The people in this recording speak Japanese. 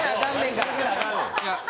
から